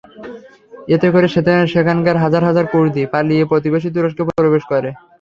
এতে করে সেখানকার হাজার হাজার কুর্দি পালিয়ে প্রতিবেশী তুরস্কে প্রবেশ করে।